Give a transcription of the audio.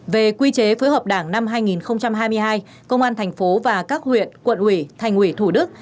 về quy chế phối hợp đảng năm hai nghìn hai mươi hai công an thành phố và các huyện quận ủy thành ủy thủ đức